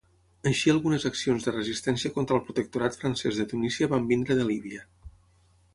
Així algunes accions de resistència contra el protectorat francès de Tunísia van venir de Líbia.